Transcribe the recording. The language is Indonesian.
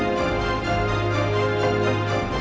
kenapa sih mbak